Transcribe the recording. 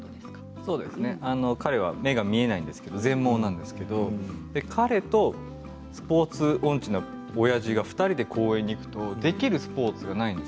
そうですね、彼は目が見えないんですけど全盲なんですけど彼とスポーツ音痴のおやじが２人で公園に行くときにできるスポーツがないんです。